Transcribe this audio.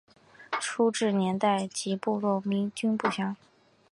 初置年代及部落均不详。